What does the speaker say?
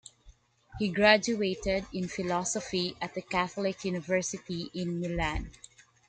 He graduated in philosophy at The Catholic University in Milan.